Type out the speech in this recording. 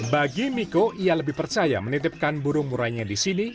bagi miko ia lebih percaya menitipkan burung murainya di sini